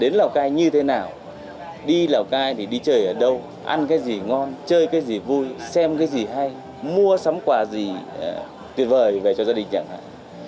đến lào cai như thế nào đi lào cai thì đi chơi ở đâu ăn cái gì ngon chơi cái gì vui xem cái gì hay mua sắm quà gì tuyệt vời về cho gia đình chẳng hạn